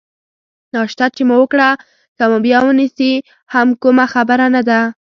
ناشته چې مو وکړه، که مو بیا ونیسي هم کومه خبره نه ده.